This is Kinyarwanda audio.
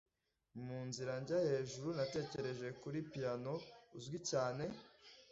mu nzira njya hejuru natekereje kuri piyano uzwi cyane